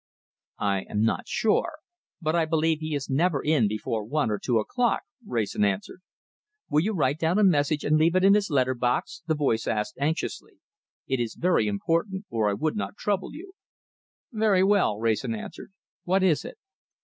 "I am not sure, but I believe he is never in before one or two o'clock," Wrayson answered. "Will you write down a message and leave it in his letter box?" the voice asked anxiously. "It is very important or I would not trouble you." "Very well," Wrayson answered. "What is it?"